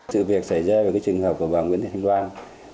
sự việc xảy ra bởi trường hợp của bà nguyễn thành loan